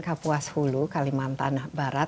kapuas hulu kalimantan barat